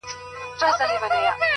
هڅاند ذهن ستړیا نه مني’